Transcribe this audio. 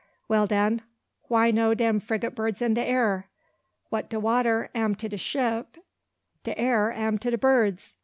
Well, den: why no dem frigate birds in de air? What de water am to de ship de air am to de birds.